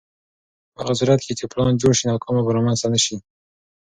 په هغه صورت کې چې پلان جوړ شي، ناکامي به رامنځته نه شي.